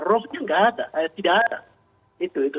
rohnya tidak ada